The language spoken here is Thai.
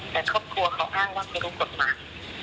แต่ครอบครัวเขาอ้างว่าไม่รู้กฎหมาย